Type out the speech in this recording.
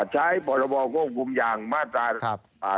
ใช้ประวัติภาพควบคุมยางมาตรา๒๕๔๒